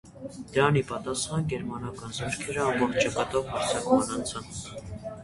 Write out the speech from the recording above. Դրան ի պատասխան գերմանական զորքերը ամբողջ ճակատով հարձակման անցան։